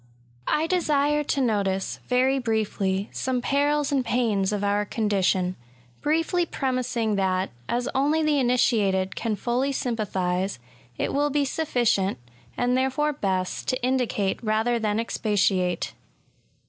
I DESiBB to notice^ very briefly^ some perils and pains of our condition, — ^briefly premising that^ as only the initiated can fully sympathise, it will be sufficient^ and therefore best^ to indicate rather than expatiate.